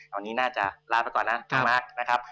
ตอนนี้น่าจะลาไปก่อนนะพี่มาร์คนะครับ